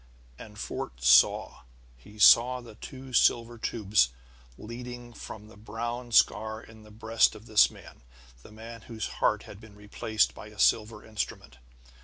And Fort saw. Saw the two silver tubes leading from the brown scar in the breast of this man the man whose heart had been replaced by a silver instrument.